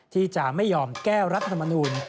ที่จะไม่ยอมแก้รัฐมนูล